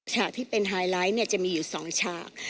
ฉากที่เป็นไฮไลท์จะมีอยู่๒ฉาก